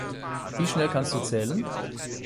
Wie schnell kannst du zählen?